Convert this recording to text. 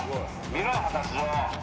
見ろ果たし状。